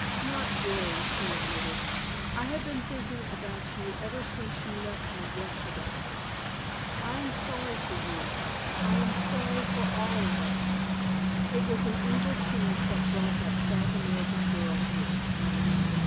"Not very," she admitted. "I have been thinking about you ever since you left me yesterday. I am sorry for you. I am sorry for all of us. It was an evil chance that brought that South American girl here."